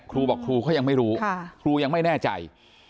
ครูบอกครูเขายังไม่รู้ครูยังไม่แน่ใจ